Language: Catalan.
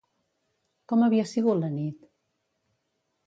Com havia sigut la nit?